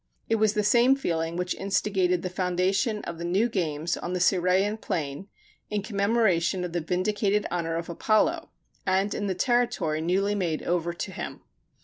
It was the same feeling which instigated the foundation of the new games on the Cirrhæan plain, in commemoration of the vindicated honor of Apollo, and in the territory newly made over to him.